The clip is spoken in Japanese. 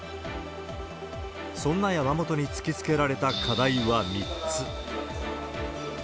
そんな山本に突きつけられた課題は３つ。